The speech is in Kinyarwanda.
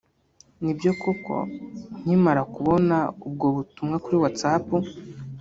Nibyo koko nkimara kubona ubwo butumwa kuri Whatsapp